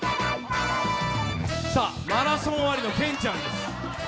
マラソン終わりの健ちゃんです。